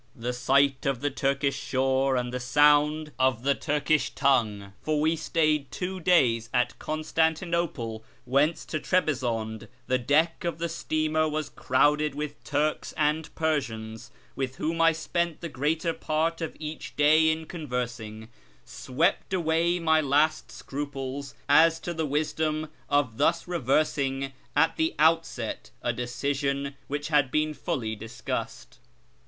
The sight of the Turkish shore and the sound of the Turkish tongue (for we stayed two days at Constantinople, whence to Trebi zonde the deck of the steamer was crowded with Turks and Persians, with whom I spent the greater part of each day in conversing) swept away my last scruples as to the wisdom of thus reversing at the outset a decision which had been fully discussed.